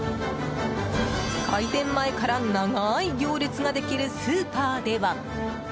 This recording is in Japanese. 開店前から長い行列ができるスーパーでは。